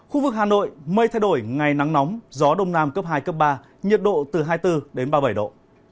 khu vực hà nội mây thay đổi ngày nắng nóng gió đông nam cấp ba nhiệt độ từ hai mươi bảy đến ba mươi bảy độ